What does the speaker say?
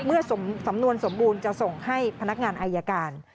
เมื่อสำนวนสมบูรณ์จะส่งให้พนักงานอายการ